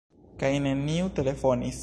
Kaj neniu telefonis.